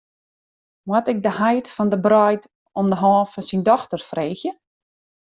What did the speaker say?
Moat ik de heit fan de breid om de hân fan syn dochter freegje?